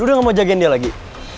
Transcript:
udah gak mau jagain dia lagi